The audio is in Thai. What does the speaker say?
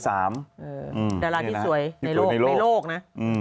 ดาราที่สวยในโลกนะ